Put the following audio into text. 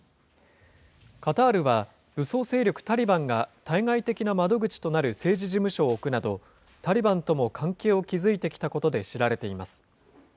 カタールは武装勢力タリバンが対外的な窓口となる政治事務所を置くなど、タリバンとも関係を築いてきたことで知られています。